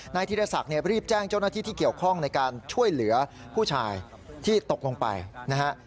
ธีรศักดิ์รีบแจ้งเจ้าหน้าที่ที่เกี่ยวข้องในการช่วยเหลือผู้ชายที่ตกลงไปนะฮะ